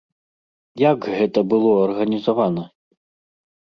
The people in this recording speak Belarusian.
Як гэта было арганізавана?